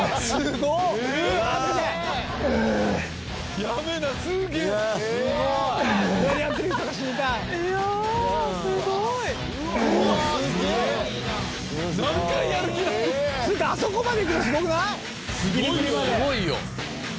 すごいよ。